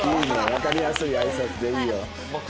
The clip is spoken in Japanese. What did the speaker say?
わかりやすい挨拶でいいよ。